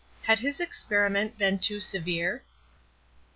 "HAD HIS EXPERIMENT BEEN TOO SEVERE?"